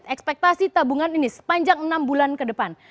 ekspektasi tabungan ini sepanjang enam bulan ke depan